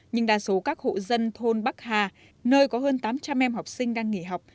nhưng đa số các hộ dân thôn bắc hà nơi có hơn tám trăm linh em học sinh đang nghỉ học